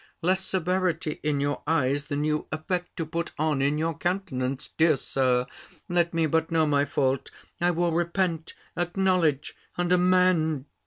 less severity in your eyes, than you affect to put on in your countenance. Dear Sir, let me but know my fault: I will repent, acknowledge, and amend."